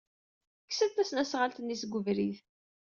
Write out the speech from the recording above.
Kkset tasnasɣalt-nni seg ubrid.